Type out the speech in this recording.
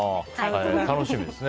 楽しみですね。